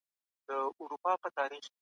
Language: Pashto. د کار ځواک روزنه د تولید کیفیت لوړوي.